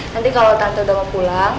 nanti kalau tante udah mau pulang